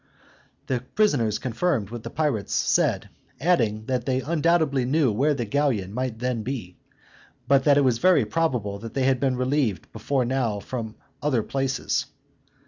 The prisoners confirmed what the pirates said, adding, that they undoubtedly knew where the galleon might then be, but that it was very probable they had been relieved before now from other places.